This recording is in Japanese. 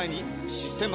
「システマ」